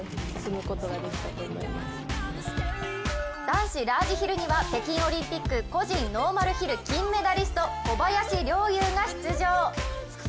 男子ラージヒルには北京オリンピック個人ノーマルヒル金メダリスト小林陵侑が出場。